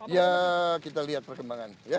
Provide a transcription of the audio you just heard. ya kita lihat perkembangan